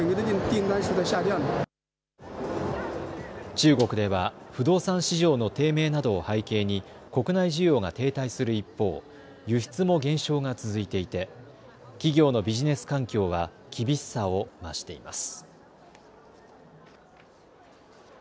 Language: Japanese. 中国では不動産市場の低迷などを背景に国内需要が停滞する一方、輸出も減少が続いていて企業のビジネス環境は厳しさを増しています。